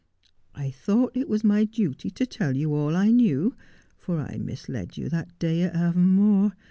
I thought it was my duty to tell you all I knew, for I misled you that day at Avonmore.